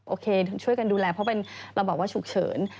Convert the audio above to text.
โอเคช่วยกันดูแลเพราะเป็นเราบอกว่าฉุกเฉิน